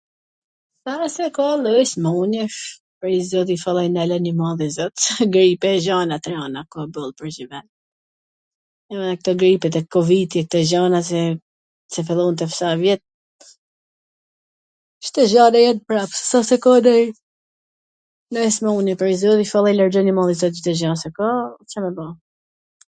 ka raste ka lloj smun-jesh, prej zotit, ishalla i nalon i madhi zot, grip e gjana t rana, ka boll, edhe kto gripet e kovidi, kto gjana se qw fillun tash sa vjet, Cdo gja nw jet pra, s asht se ka nonj, nonj smun-je prej zotit, ishalla i largjon i madhi zot Cdo gja qw ka, Ca me ba?